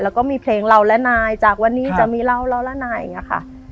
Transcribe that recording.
แล้วก็มีเพลงเราและนายจากวันนี้จะมีเราเราและนายอย่างนี้ค่ะ